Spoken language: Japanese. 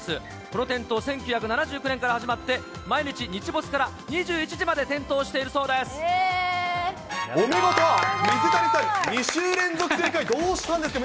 この点灯、１９７９年から始まって、毎日、日没から２１時まで点灯しているお見事、水谷さん、２週連続正解、どうしたんですか？